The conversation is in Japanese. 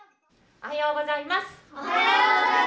おはようございます。